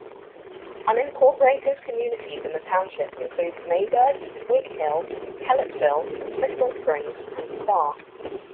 Unincorporated communities in the township include Mayburg, Whig Hill, Kellettville, Crystal Springs, and Starr.